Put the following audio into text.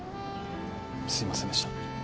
すいませんでした。